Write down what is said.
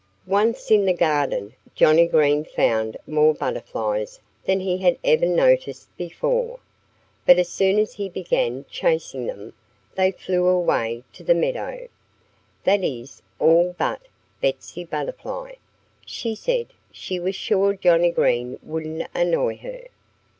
Once in the garden, Johnnie Green found more butterflies than he had ever noticed before. But as soon as he began chasing them, they flew away to the meadow. That is, all but Betsy Butterfly. She said she was sure Johnnie Green wouldn't annoy her.